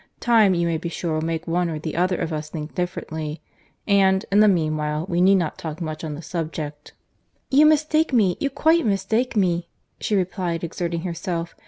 Time, you may be sure, will make one or the other of us think differently; and, in the meanwhile, we need not talk much on the subject." "You mistake me, you quite mistake me," she replied, exerting herself.